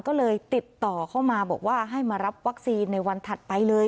ก็เลยติดต่อเข้ามาบอกว่าให้มารับวัคซีนในวันถัดไปเลย